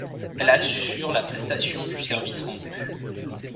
Elle assure la prestation du service rendu.